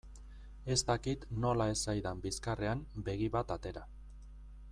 Ez dakit nola ez zaidan bizkarrean begi bat atera.